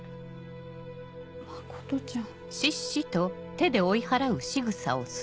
真ちゃん。